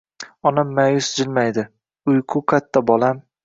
Onam ma’yus jilmaydi: — Uyqu qatta, bolam?